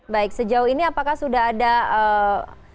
baik sejauh ini apakah sudah ada